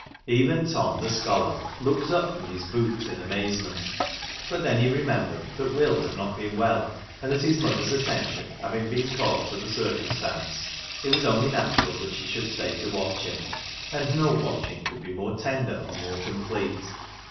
Even Tom, the scholar, looked up from his books in amazement ; but then he remembered that Will had not been well, and that his mother's attention having been called to the circum stance, it was only natural she should stay to watch him. And no watching could be more tender, or more complete.